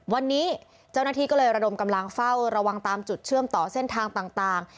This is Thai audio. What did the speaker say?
วันนี้เจ้าหน้าที่ก็เลยระดมกำลังเฝ้าระวังตามจุดเชื่อมต่อเส้นทางต่าง